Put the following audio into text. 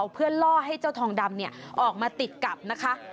เพื่อล่อให้เจ้าทองดำออกมาติดกับนะคะ